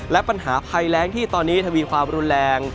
และปัญหาภัยแรงที่ตอนนี้ทวีความรุนแรง